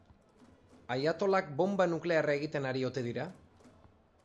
Ayatolak bonba nuklearra egiten ari ote dira?